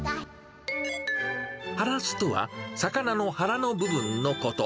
ハラスとは、魚の腹の部分のこと。